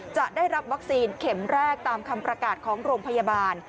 จะได้รับวัคซีนเข็มแรกตามคำประกาศของโรงพยาบาล